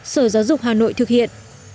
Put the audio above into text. sở giáo dục hà nội thực hiện